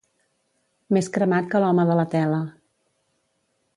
Més cremat que l'home de la tela.